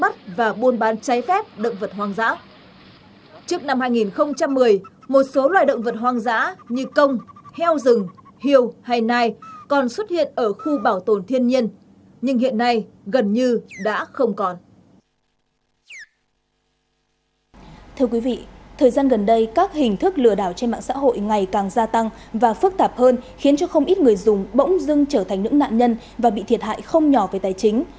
trước năm hai nghìn một mươi một số loài động vật hoàng giã đã trở thành một trong những điểm nóng về tài chính